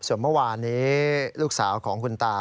ส่วนเมื่อวานนี้ลูกสาวของคุณตา